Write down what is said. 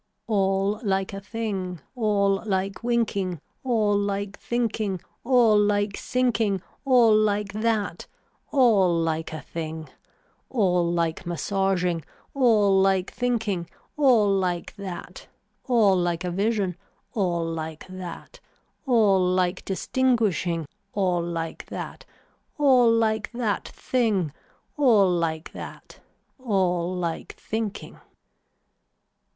All like a thing, all like winking, all like thinking, all like sinking, all like that, all like a thing, all like massaging, all like thinking, all like that, all like a vision, all like that, all like distinguishing, all like that, all like that thing, all like that, all like thinking.